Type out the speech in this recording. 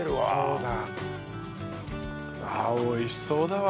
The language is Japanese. うわあ美味しそうだわ。